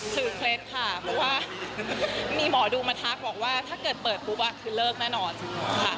เคล็ดค่ะเพราะว่ามีหมอดูมาทักบอกว่าถ้าเกิดเปิดปุ๊บคือเลิกแน่นอนค่ะ